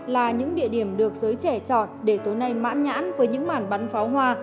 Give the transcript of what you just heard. là những địa điểm được giới trẻ chọn để tối nay mãn nhãn với những màn bắn pháo hoa